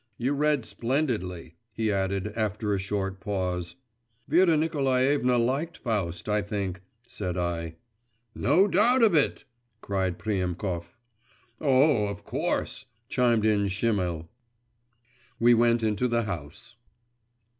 'You read splendidly,' he added, after a short pause. 'Vera Nikolaevna liked Faust, I think,' said I. 'No doubt of it!' cried Priemkov. 'Oh, of course!' chimed in Schimmel. We went into the house.